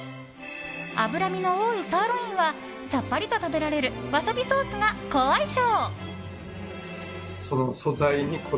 脂身の多いサーロインはさっぱりと食べられるわさびソースが好相性。